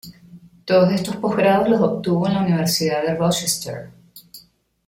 Todos estos postgrados los obtuvo en la Universidad de Rochester.